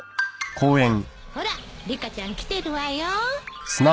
ほらリカちゃん来てるわよ。